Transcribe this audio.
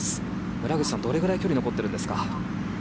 村口さん、距離どれぐらい残っているんですか？